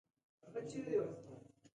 • زده کړه د انسان ذهن ته وزرونه ورکوي.